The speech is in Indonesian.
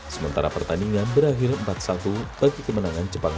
sementara pertandingan berakhir empat satu bagi kemenangan jepang u sembilan belas